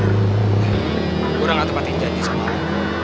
gue udah gak tepatin janji sama lo